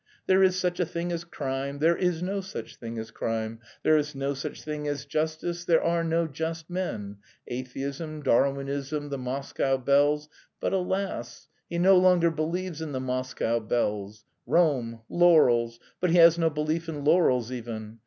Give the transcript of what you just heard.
There is such a thing as crime, there is no such thing as crime; there is no such thing as justice, there are no just men; atheism, Darwinism, the Moscow bells.... But alas, he no longer believes in the Moscow bells; Rome, laurels.... But he has no belief in laurels even....